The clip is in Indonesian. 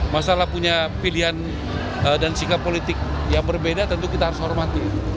masalah punya pilihan dan sikap politik yang berbeda tentu kita harus hormati